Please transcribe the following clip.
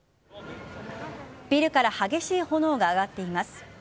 ビルから激しい炎が上がっています。